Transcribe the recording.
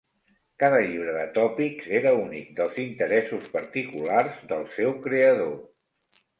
Cada llibre de tòpics era únic dels interessos particulars del seu creador.